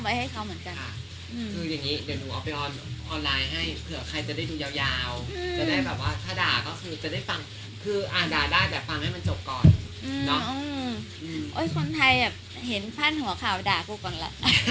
เนาะอืมอืมคนไทยเห็นผ้านหัวข่าวด่ากูบางละ